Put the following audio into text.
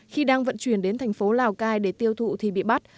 khi đang vận chuyển đến thành phố lào cai để tiêu thụ thì bị bắt